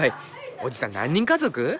おじさん何人家族？